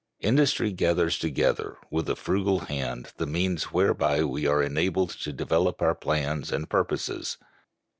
Industry gathers together, with a frugal hand, the means whereby we are enabled to develop our plans and purposes.